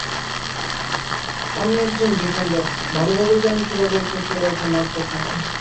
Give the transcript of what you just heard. আমি একজন ডিফেন্ডার, ভালোভাবেই জানি কীভাবে একজন খেলোয়াড়কে মার্ক করতে হয়।